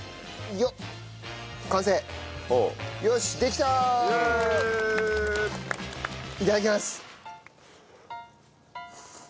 いただきます。